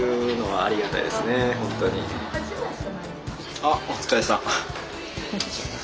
あっお疲れさん。